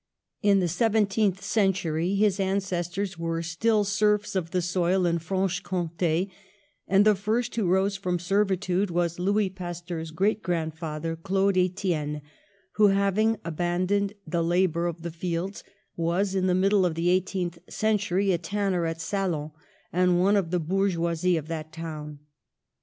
In the seventeenth century his ances tors were still serfs of the soil, in Franche Comte, and the first who arose from servitude was Louis Pasteur's great grandfather, Claude Etienne, who, having abandoned the labour of the fields, was in the middle of the eighteenth century a tanner at Salins, and one of the bour geoisie of that town.